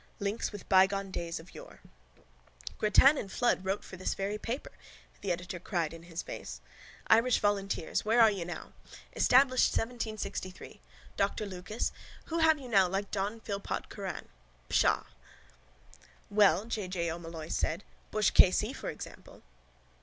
LINKS WITH BYGONE DAYS OF YORE —Grattan and Flood wrote for this very paper, the editor cried in his face. Irish volunteers. Where are you now? Established 1763. Dr Lucas. Who have you now like John Philpot Curran? Psha! —Well, J. J. O'Molloy said, Bushe K.C., for example.